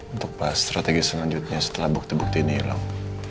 untuk strategi selanjutnya setelah bukti bukti ini hilang